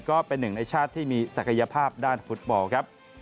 ก็เป็นหนึ่งในชาติที่มีศักยภาพด้านฟุตบอลครับ